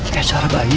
ketika suara bayi